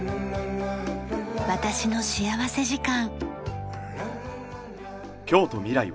『私の幸福時間』。